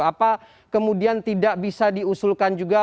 apa kemudian tidak bisa diusulkan juga